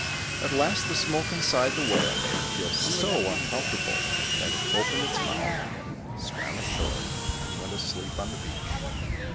At last the smoke inside the whale made it feel so uncomfortable that it opened its mouth, swam ashore, and went asleep on the beach.